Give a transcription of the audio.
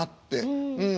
うん。